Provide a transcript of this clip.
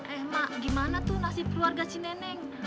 eh mak gimana tuh nasib keluarga si nenek